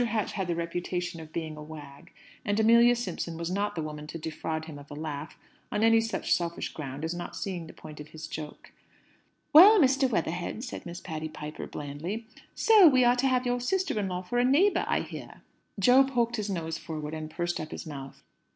Hatch had the reputation of being a wag; and Amelia Simpson was not the woman to defraud him of a laugh on any such selfish ground as not seeing the point of his joke. "Well, Mr. Weatherhead," said Miss Patty Piper, blandly, "so we are to have your sister in law for a neighbour, I hear." Jo poked his nose forward, and pursed up his mouth.